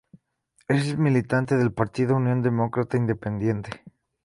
Es militante del partido Unión Demócrata Independiente.